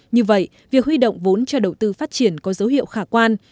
như vậy việc huy động vốn cho đầu tư phát triển có dấu hiệu khả quan